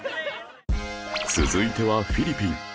続いてはフィリピン